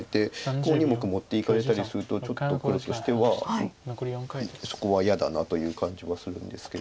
この２目持っていかれたりするとちょっと黒としてはそこは嫌だなという感じはするんですけれども。